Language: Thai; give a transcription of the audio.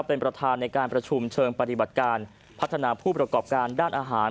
เป็นประธานในการประชุมเชิงปฏิบัติการพัฒนาผู้ประกอบการด้านอาหาร